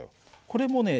これもね